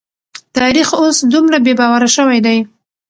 تاريخ اوس دومره بې باوره شوی دی.